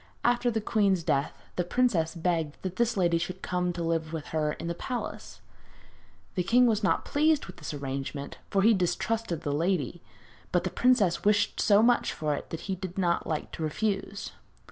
After the queen's death the princess begged that this lady should come to live with her in the palace. The king was not quite pleased with this arrangement, for he distrusted the lady; but the princess wished so much for it that he did not like to refuse.